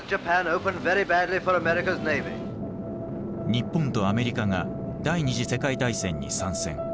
日本とアメリカが第二次世界大戦に参戦。